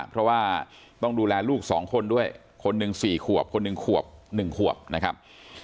เพราะว่าต้องดูแลลูก๒คนด้วยคนหนึ่ง๔ขวบคนหนึ่งขวบ๑ขวบนะครับ